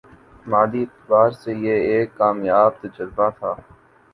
مادی اعتبار سے یہ ایک کامیاب تجربہ تھا